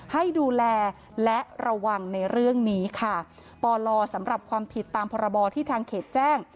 ให้ดูแลและระวังในเรื่องนี้ค่ะปลสำหรับความผิดตามพรบที่ทางเขตแจ้ง